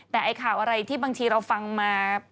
แต่ไอ้ข่าวอะไรที่บางทีเราฟังมา